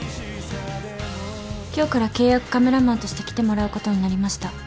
今日から契約カメラマンとして来てもらうことになりました。